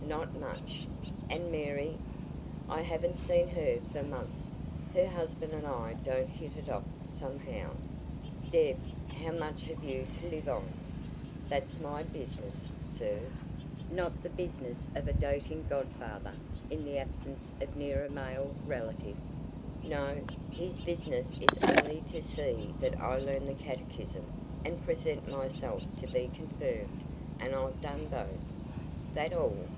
"Not much." "And Mary?" "I haven't seen her for months. Her husband and I don't hit it off, somehow." "Deb, how much have you to live on?" "That's my business, sir." "Not the business of a doting godfather in the absence of nearer male relatives?" "No. His business is only to see that I learn the catechism and present myself to be confirmed; and I've done both." "That all?"